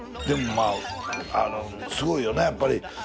でもすごいよねやっぱり。